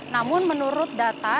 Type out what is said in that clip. namun menurut data